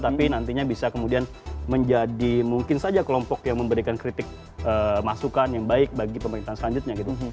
tapi nantinya bisa kemudian menjadi mungkin saja kelompok yang memberikan kritik masukan yang baik bagi pemerintahan selanjutnya gitu